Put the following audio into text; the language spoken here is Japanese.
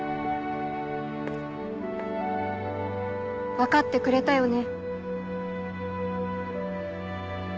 分かってくれたよね？